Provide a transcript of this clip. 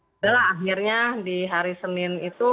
jadi udah lah akhirnya di hari senin itu